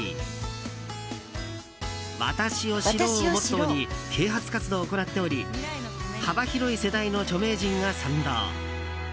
私を知ろうをモットーに啓発活動を行っており幅広い世代の著名人が賛同。